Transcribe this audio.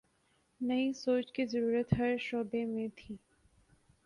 نئی سوچ کی ضرورت ہر شعبے میں تھی۔